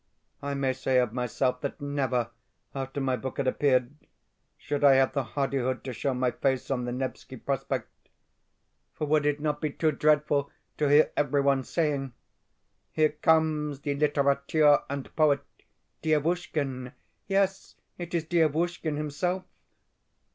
I may say of myself that never, after my book had appeared, should I have the hardihood to show my face on the Nevski Prospect; for would it not be too dreadful to hear every one saying, "Here comes the literateur and poet, Dievushkin yes, it is Dievushkin himself."